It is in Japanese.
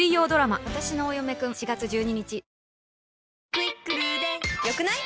「『クイックル』で良くない？」